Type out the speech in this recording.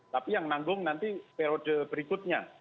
tapi yang nanggung nanti periode berikutnya